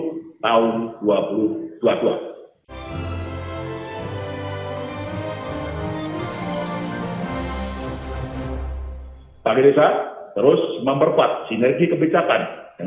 ketujuh memperluas penggunaan kredit perbankan terhadap negara kawasan asia